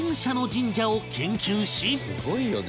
「すごいよね